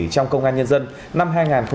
trong công an nhân dân năm hai nghìn hai mươi ba